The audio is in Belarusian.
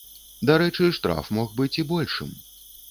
Дарэчы, штраф мог быць і большым.